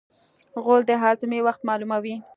غول د هاضمې وخت معلوموي.